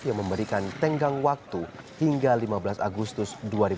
yang memberikan tenggang waktu hingga lima belas agustus dua ribu dua puluh